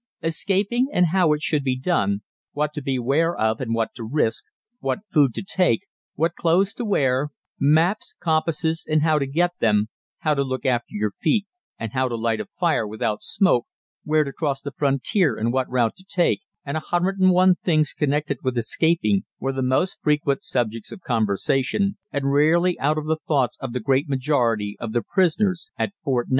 Escaping, and how it should be done, what to beware of and what to risk, what food to take, what clothes to wear, maps, compasses, and how to get them, how to look after your feet and how to light a fire without smoke, where to cross the frontier and what route to take, and a hundred and one things connected with escaping, were the most frequent subjects of conversation and rarely out of the thoughts of the great majority of the prisoners at Fort 9.